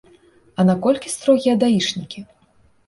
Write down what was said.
А наколькі строгія даішнікі?